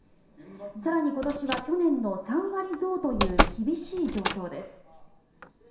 更に、今年は去年の３割増という厳しい状況です。